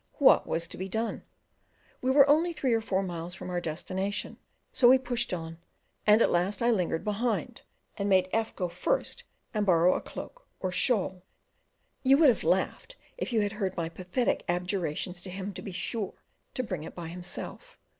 What was to be done? We were only three or four miles from our destination, so we pushed on, and at the last I lingered behind, and made F go first and borrow a cloak or shawl. You would have laughed if you had heard my pathetic adjurations to him to be sure to bring it by himself.